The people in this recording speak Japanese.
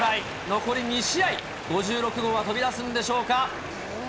残り２試合、５６号は飛び出すんでしょうか。